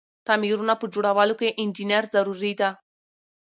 تعميرونه په جوړولو کی انجنیر ضروري ده.